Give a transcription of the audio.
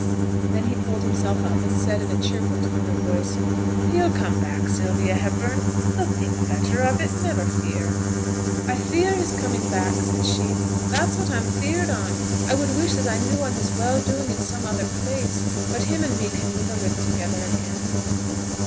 Then he pulled himself up, and said, in a cheerful tone of voice, 'He'll come back, Sylvia Hepburn. He'll think better of it: never fear!' 'I fear his coming back!' said she. 'That's what I'm feared on; I would wish as I knew on his well doing i' some other place; but him and me can niver live together again.'